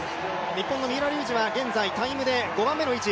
日本の三浦龍司は現在タイムで５番目の位置。